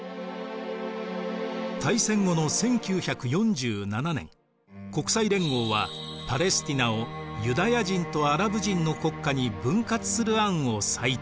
大戦後の１９４７年国際連合はパレスティナをユダヤ人とアラブ人の国家に分割する案を採択。